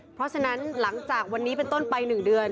เพราะฉะนั้นหลังจากวันนี้เป็นต้นไป๑เดือน